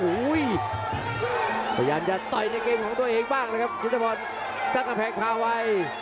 อุ้ยพยายามจะต่อยในเกมของตัวเองบ้างนะครับจุฏฟรรณตั้งกระแพงทาวัย